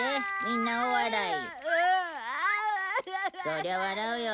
そりゃ笑うよ。